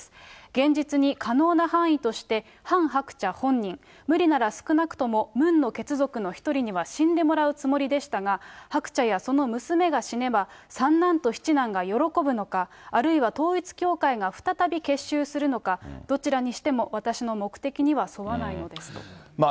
現実に可能な範囲として、ハン・ハクチャ本人、無理なら少なくともムンの血族の１人には死んでもらうつもりでしたが、ハクチャやその娘が死ねば、三男と七男が喜ぶのか、あるいは統一教会が再び結集するのか、どちらにしても私の目的には沿わないのですと。